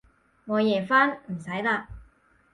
我夜返，唔使喇